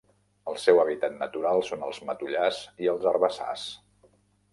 El seu hàbitat natural són els matollars i els herbassars.